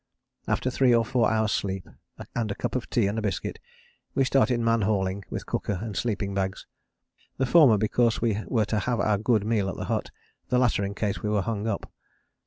After three or four hours' sleep, and a cup of tea and a biscuit, we started man hauling with cooker and sleeping bags: the former because we were to have our good meal at the hut, the latter in case we were hung up.